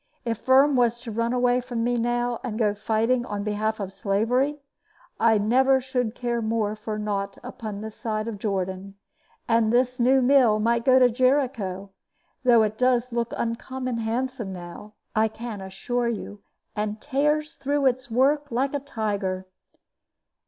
If Firm was to run away from me now, and go fighting on behalf of slavery, I never should care more for naught upon this side of Jordan; and the new mill might go to Jericho; though it does look uncommon handsome now, I can assure you, and tears through its work like a tiger.